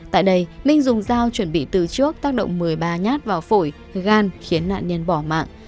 tại đây minh dùng dao chuẩn bị từ trước tác động một mươi ba nhát vào phổi gan khiến nạn nhân bỏ mạng